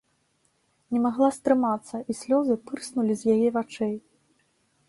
Не магла стрымацца, і слёзы пырснулі з яе вачэй.